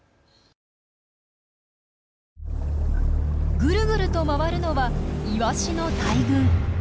グルグルと回るのはイワシの大群。